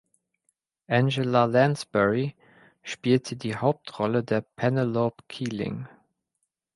Angela Lansbury spielte die Hauptrolle der Penelope Keeling.